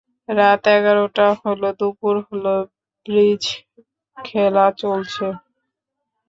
রাত এগারোটা হল, দুপুর হল, ব্রিজ খেলা চলছে।